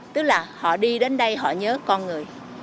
tức là họ đi đến đây họ nhớ con người